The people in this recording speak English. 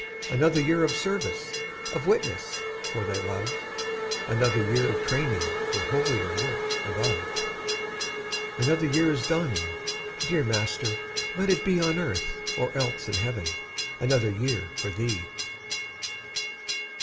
Another year of service, Of witness for Thy love; Another year of training For holier work above. Another year is dawning! Dear Master, let it be On earth, or else in heaven, Another year for Thee!